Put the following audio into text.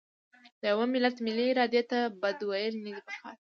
د یوه ملت ملي ارادې ته بد ویل نه دي پکار.